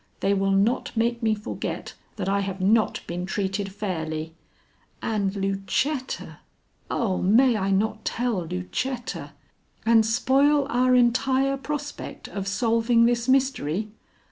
"They will not make me forget that I have not been treated fairly. And Lucetta oh! may I not tell Lucetta " "And spoil our entire prospect of solving this mystery?